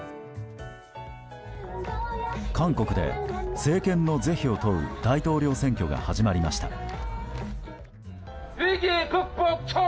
韓国で政権の是非を問う大統領選挙が始まりました。